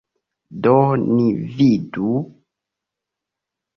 Do ni vidu.